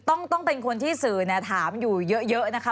ต้องเป็นคนที่สื่อถามอยู่เยอะนะคะ